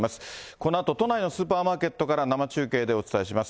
このあと、都内のスーパーマーケットから生中継でお伝えします。